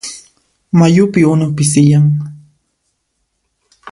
Mayupi unu pisiyan.